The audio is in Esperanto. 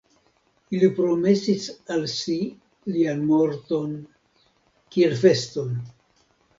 Ili promesis al si lian morton, kiel feston.